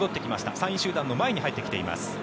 ３位集団の前に入ってきています。